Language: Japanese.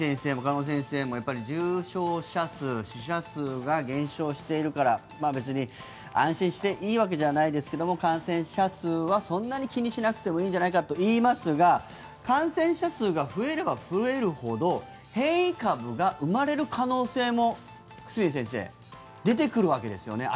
久住先生も鹿野先生も重症者数、死者数が減少しているから別に安心していいわけではないですけども感染者数はそんなに気にしなくてもいいといいますが感染者が増えれば増えるほど変異株が生まれる可能性も出てくるわけですよね。